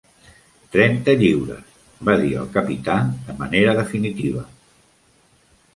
Trenta lliures, va dir el capità de manera definitiva.